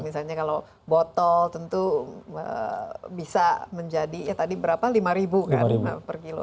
misalnya kalau botol tentu bisa menjadi lima ribu per kilo